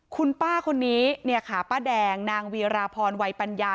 คุณป้าคนนี้เนี่ยค่ะป้าแดงนางวีราพรวัยปัญญา